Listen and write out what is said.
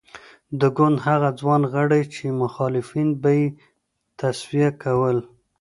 د ګوند هغه ځوان غړي چې مخالفین به یې تصفیه کول.